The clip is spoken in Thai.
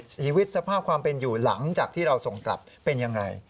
ชีวิตสภาพความเป็นอยู่หลังจากที่เราส่งกลับเป็นอย่างไร